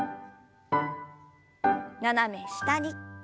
斜め下に。